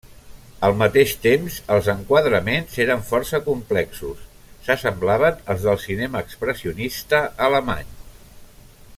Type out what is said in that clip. Al mateix temps, els enquadraments eren força complexos, s’assemblaven als del cinema expressionista alemany.